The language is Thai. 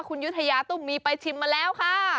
คุณยุธยาตุ้มมีไปชิมมาแล้วค่ะ